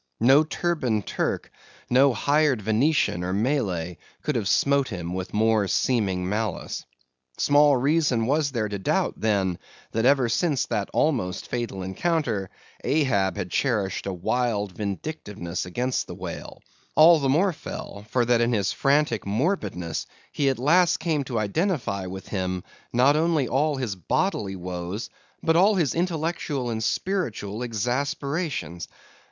No turbaned Turk, no hired Venetian or Malay, could have smote him with more seeming malice. Small reason was there to doubt, then, that ever since that almost fatal encounter, Ahab had cherished a wild vindictiveness against the whale, all the more fell for that in his frantic morbidness he at last came to identify with him, not only all his bodily woes, but all his intellectual and spiritual exasperations.